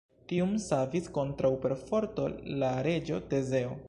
Tiun savis kontraŭ perforto la reĝo Tezeo.